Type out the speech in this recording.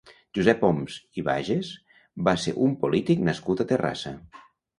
Josep Homs i Bages va ser un polític nascut a Terrassa.